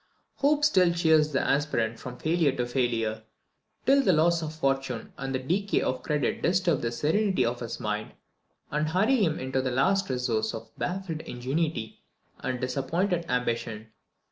Hope still cheers the aspirant from failure to failure, till the loss of fortune and the decay of credit disturb the serenity of his mind, and hurry him on to the last resource of baffled ingenuity and disappointed ambition.